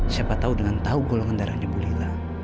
siapa tahu dengan tahu golongan darahnya bulila